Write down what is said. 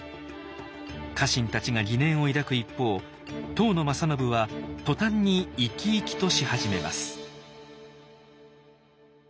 家臣たちが疑念を抱く一方当の正信は途端に生き生きとし始めます。